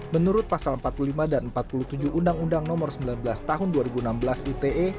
menurut pasal empat puluh lima dan empat puluh tujuh undang undang nomor sembilan belas tahun dua ribu enam belas ite